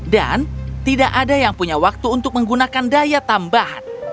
dan tidak ada yang punya waktu untuk menggunakan daya tambahan